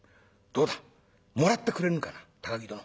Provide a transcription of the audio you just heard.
どうだもらってくれぬかな高木殿。